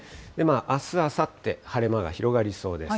あす、あさって、晴れ間が広がりそうです。